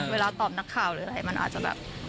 เวลาตอบนักข่าวหรืออะไรมันอาจจะแบบ